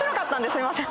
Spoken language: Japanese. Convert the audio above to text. すいません。